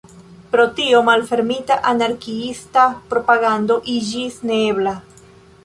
Pro tio malfermita anarkiista propagando iĝis neebla.